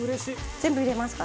全部入れますか？